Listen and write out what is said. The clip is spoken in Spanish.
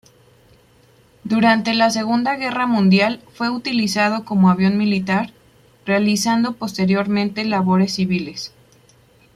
Durante la Segunda Guerra Mundial fue utilizado como avión militar, realizando posteriormente labores civiles.